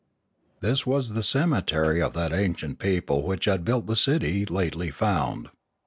This was the cemetery of that ancient people which had built the city lately found.